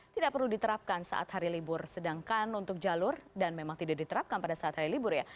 tidak perlu diterapkan saat hari libur sedangkan untuk jalur dan memang tidak diterapkan pada saat hari libur ya